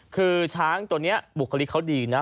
คือช้างตัวนี้บุคลิกเขาดีนะ